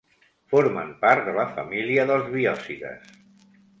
Formen part de la família dels biocides.